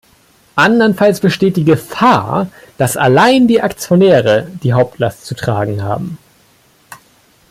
Andernfalls besteht die Gefahr, dass allein die Aktionäre die Hauptlast zu tragen haben.